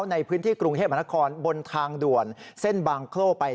ในพื้นที่กรุงเทพมหานครบนทางด่วนเส้นบางโคร่ไป